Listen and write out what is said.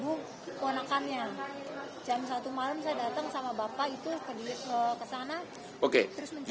bahwa bilang kalo rumah adik kamu masuk tuh tubuh keonakannya